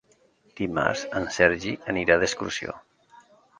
Dimarts en Sergi anirà d'excursió.